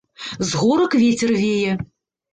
З горак вецер вее.